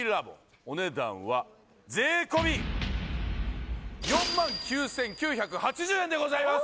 お値段は税込４万９９８０円でございます